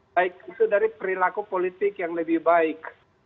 baik itu dari perilaku politik yang lebih baik